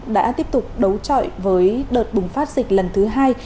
đã tiếp tục đấu trọi với đợt bùng phát dịch lần thứ hai